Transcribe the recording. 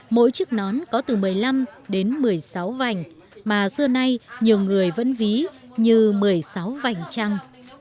mỗi chiếc nón có từ một mươi năm đến một mươi sáu vành mà xưa nay nhiều người vẫn ví như một mươi sáu vành trăng